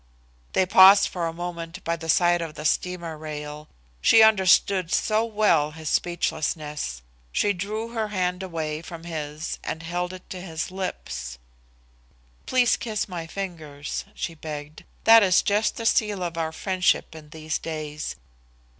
They paused for a moment by the side of the steamer rail. She understood so well his speechlessness. She drew her hand away from his and held it to his lips. "Please kiss my fingers," she begged. "That is just the seal of our friendship in these days.